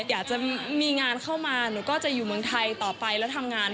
อยากจะมีงานเข้ามาหนูก็จะอยู่เมืองไทยต่อไปแล้วทำงาน